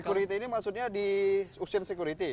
security ini maksudnya di ocean security